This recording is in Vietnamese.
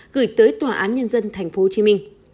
gửi tới tòa án nhân dân tp hcm